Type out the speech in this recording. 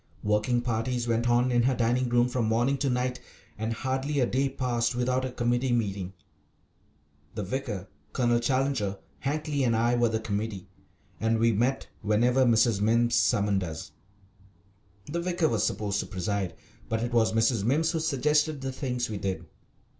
Working parties went on in her dining room from morning to night, and hardly a day passed without a committee meeting. The vicar, Colonel Challenger, Hankly, and I were the committee, and we met whenever Mrs. Mimms summoned us. The vicar was supposed to preside, but it was Mrs. Mimms who suggested the things we did.